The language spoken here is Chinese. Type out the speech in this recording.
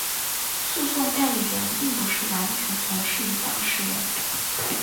诉讼代理人并不是完全从属于当事人。